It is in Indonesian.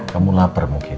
kamu lapar mungkin